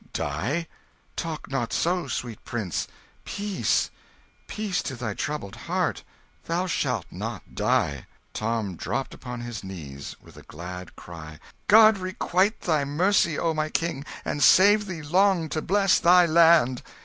"Die? Talk not so, sweet prince peace, peace, to thy troubled heart thou shalt not die!" Tom dropped upon his knees with a glad cry "God requite thy mercy, O my King, and save thee long to bless thy land!"